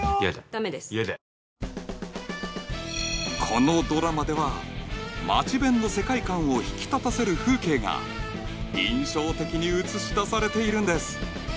このドラマではマチベンの世界観を引き立たせる風景が印象的に映し出されているんです